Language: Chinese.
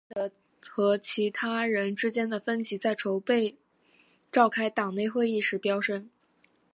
阿南德和其他人之间的分歧在筹备召开党内会议时飙升。